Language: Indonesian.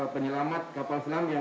penyelamat kapal selam yang